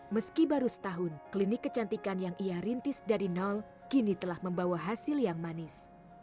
meski baru setahun klinik kecantikan yang ia rintis dari nol kini telah membawa hasil yang manis